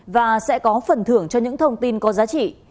và sẽ có phần thưởng cho những thông tin có giá trị